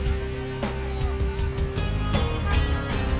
kelapa kelapa kelapa kelapa